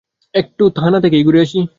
একটু থানা থেকেই ঘুরে আসি।